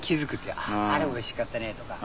あっあれおいしかったねとか。